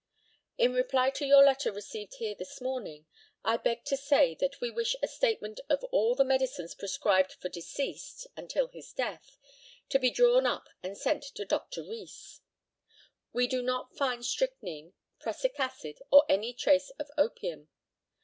"In reply to your letter received here this morning, I beg to say that we wish a statement of all the medicines prescribed for deceased (until his death) to be drawn up and sent to Dr. Rees. "We do not find strychnine, prussic acid, or any trace of opium.